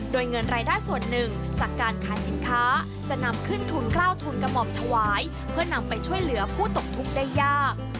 โดยเงินรายได้ส่วนหนึ่งจากการขายสินค้าจะนำขึ้นทุนกล้าวทุนกระหม่อมถวายเพื่อนำไปช่วยเหลือผู้ตกทุกข์ได้ยาก